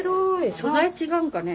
素材違うんかね。